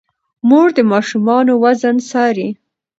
مور د ماشومانو وزن څاري.